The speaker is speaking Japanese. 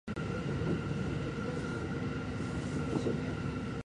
野球をする。